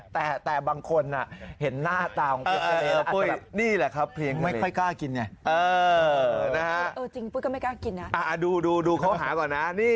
ปุ๊ยแต่บางคนน่ะเห็นหน้าตาของพี่มันนี้